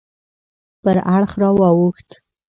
پر اړخ راواوښت.